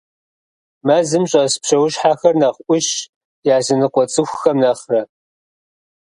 Мэзым щӀэс псэущхьэхэр нэхъ Ӏущщ языныкъуэ цӏыхухэм нэхърэ.